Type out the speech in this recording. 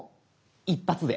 一発で。